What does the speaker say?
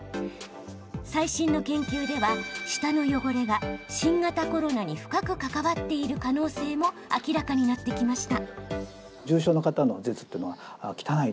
最新の研究では舌の汚れが新型コロナに深く関わっている可能性も明らかになってきました。